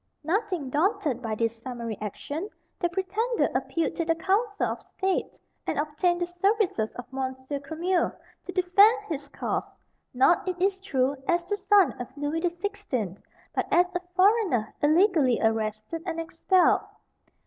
Nothing daunted by this summary action, the pretender appealed to the Council of State, and obtained the services of Monsieur Cremieux to defend his cause, not, it is true, as the son of Louis the Sixteenth, but as a foreigner illegally arrested and expelled.